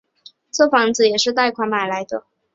这房子也是贷款买来的